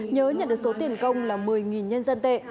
nhớ nhận được số tiền công là một mươi nhân dân tệ